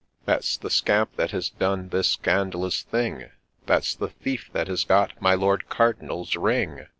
That 's the scamp that has done this scandalous thing ! That 's the thief that has got my Lord Cardinal's King